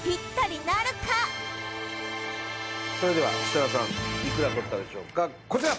それでは設楽さんいくら取ったでしょうかこちら